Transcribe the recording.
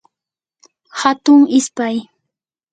hatun ispay